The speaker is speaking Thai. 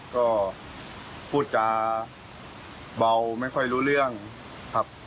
ก็พูดจาเบาไม่ค่อยรู้เรื่องครับ